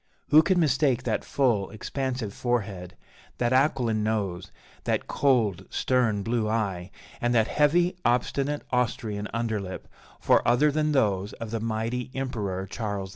Who can mistake that full, expansive forehead, that aquiline nose, that cold, stern blue eye, and that heavy, obstinate, Austrian underlip, for other than those of the mighty Emperor Charles V?